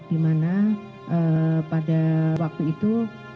di mana pada waktu itu